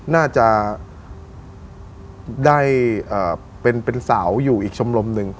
น่าจะได้เป็นสาวอยู่อีกชมรมหนึ่ง